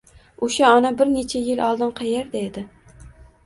O‘sha ona bir necha yil oldin qayerda edi?